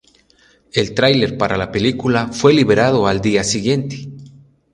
El tráiler para la película fue liberado al día siguiente.